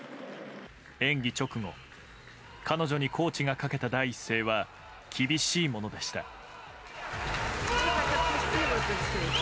演技直後彼女にコーチがかけた第一声は厳しいものでした。